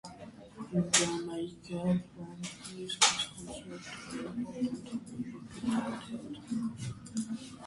In Jamaica, plumpness is considered to be important or vital to good health.